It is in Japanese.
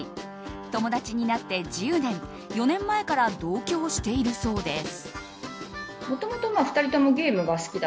友達になって１０年、４年前から同居をしているそうです。